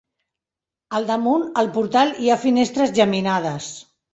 Al damunt el portal hi ha finestres geminades.